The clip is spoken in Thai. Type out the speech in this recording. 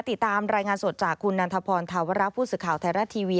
ติดตามรายงานสดจากคุณนันทพรธาวระผู้สื่อข่าวไทยรัฐทีวี